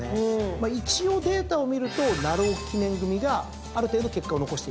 一応データを見ると鳴尾記念組がある程度結果を残しています。